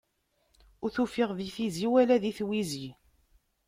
Ur t-ufiɣ di tizi, wala di twizi.